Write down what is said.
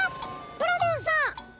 プロデューサー！